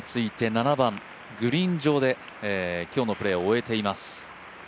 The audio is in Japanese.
７番グリーン上で今日のプレーを終えています。